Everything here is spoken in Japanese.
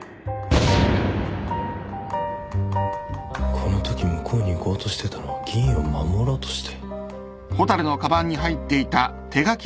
このとき向こうに行こうとしてたのは議員を守ろうとして？